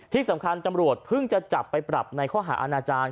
ที่สำคัญตำรวจเพิ่งจะจับไปปรับในข้อหาอาณาจารย์